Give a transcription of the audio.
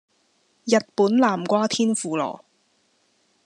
日本南瓜天婦羅